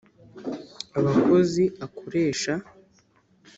abakozi akoresha